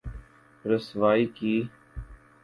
رسوائی کی‘‘۔